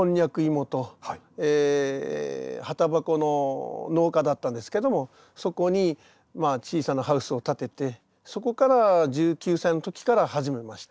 芋と葉タバコの農家だったんですけどもそこに小さなハウスを建ててそこから１９歳の時から始めました。